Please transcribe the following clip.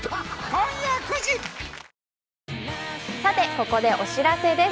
ここでお知らせです。